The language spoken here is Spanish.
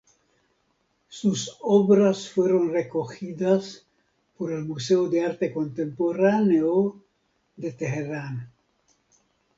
Sus obras fueron recogidas por el Museo de Arte Contemporáneo de Teherán.